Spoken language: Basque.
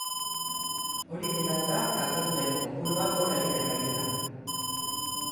Hori dela eta, kaltetuen kopuruak gora egiten ari da.